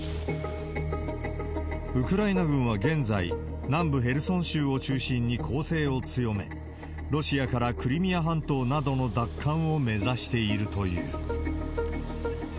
ウクライナ軍は現在、南部ヘルソン州を中心に攻勢を強め、ロシアからクリミア半島などの奪還を目指しているという。